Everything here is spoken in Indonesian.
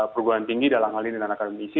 peguam tinggi dalam hal ini dan akademisi